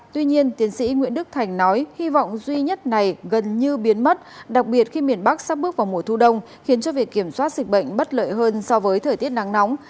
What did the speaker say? tuy nhiên tiến sĩ nguyễn đức thành nói hy vọng duy nhất này gần như biến mất đặc biệt khi miền bắc sắp bước vào mùa thu đông khiến cho việc kiểm soát dịch bệnh bất lợi hơn so với thời tiết nắng nóng